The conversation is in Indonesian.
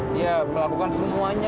dia berlakukan semuanya